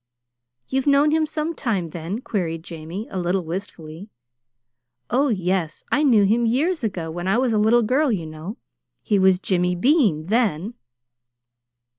"You've known him some time, then?" queried Jamie, a little wistfully. "Oh, yes. I knew him years ago when I was a little girl, you know. He was Jimmy Bean then."